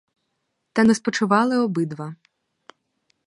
Та не спочивали обидва.